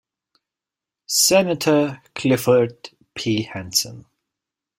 Senator Clifford P. Hansen.